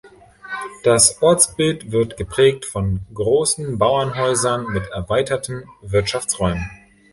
Das Ortsbild wird geprägt von großen Bauernhäusern mit erweiterten Wirtschaftsräumen.